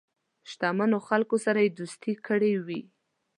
شته منو خلکو سره یې دوستی کړې وي.